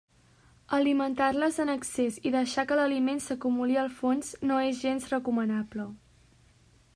Alimentar-les en excés i deixar que l'aliment s'acumuli al fons no és gens recomanable.